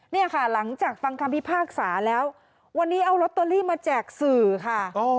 เนี่ยค่ะหลังจากฟังคำพิพากษาแล้ววันนี้เอาลอตเตอรี่มาแจกสื่อค่ะ